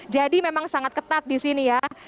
jadi memang sangat ketat di sini ya